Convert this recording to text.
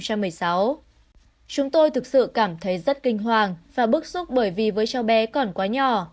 chúng tôi thực sự cảm thấy rất kinh hoàng và bức xúc bởi vì với cháu bé còn quá nhỏ